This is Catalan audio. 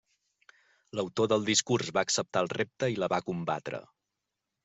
L'autor del discurs va acceptar el repte i la va combatre.